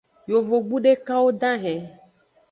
Yovogbu dekwo dahen.